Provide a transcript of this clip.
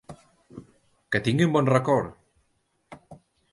Que tingui un bon record!